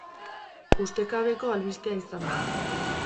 Ustekabeko albistea izan da.